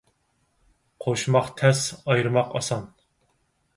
قوشماق تەس، ئايرىماق ئاسان.